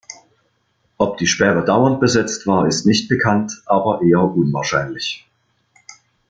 Ob die Sperre dauernd besetzt war, ist nicht bekannt, aber eher unwahrscheinlich.